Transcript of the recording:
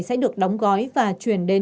sẽ được đóng gói và chuyển đến